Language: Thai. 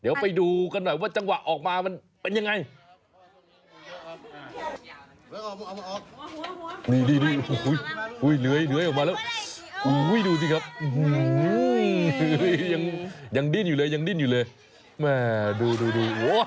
เดี๋ยวไปดูกันหน่อยว่าจังหวะออกมามันเป็นยังไง